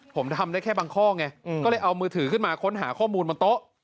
ผมทำได้แค่บางข้อไงก็เลยเอามือถือขึ้นมาค้นหาข้อมูลบนโต๊ะ